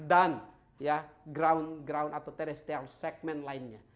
dan ya ground atau terrestrial segment lainnya